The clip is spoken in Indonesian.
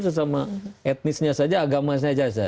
sesama etnisnya saja agama saja